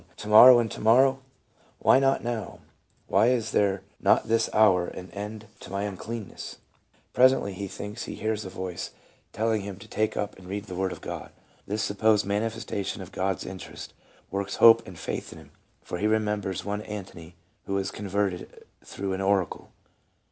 to morrow and to morrow 1 Why not now ? why is there not this hour an end PSYCHOLOGY OF RELIGIOUS PHENOMENA. 329 to my uncleanness 1 '" Presently he thinks he hears a voice telling him to take up and read the word of God. This supposed manifestation of God's interest works hope and faith in him, for he remembers one Antony who was converted through an oracle.